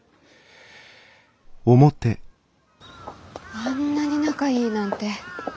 あんなに仲いいなんて。